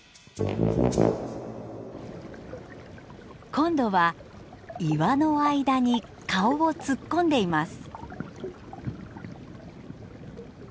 今度は岩の間に顔を突っ込んでいます。